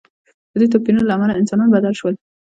د دې توپیرونو له امله انسانان بدل شول.